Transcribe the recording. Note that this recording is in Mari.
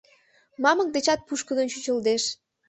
Мамык дечат пушкыдын чучылдыш.